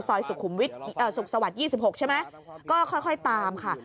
ซอยสุขุมวิทย์เอ่อสุขสวรรค์ยี่สิบหกใช่ไหมก็ค่อยตามค่ะ